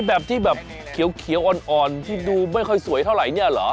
แบบที่แบบเขียวอ่อนที่ดูไม่ค่อยสวยเท่าไหร่เนี่ยเหรอ